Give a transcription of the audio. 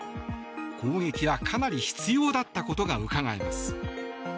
攻撃はかなり執拗だったことがうかがえます。